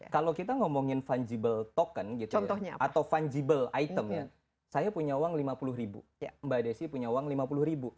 kalau kita ngomongin fungible token gitu atau fungible item saya punya uang rp lima puluh ribu mbak desi punya uang rp lima puluh ribu